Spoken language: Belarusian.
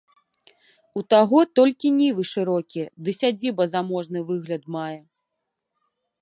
У таго толькі нівы шырокія ды сядзіба заможны выгляд мае.